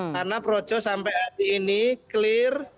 karena projose sampai hari ini clear